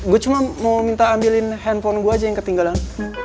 gue cuma mau minta ambilin handphone gue aja yang ketinggalan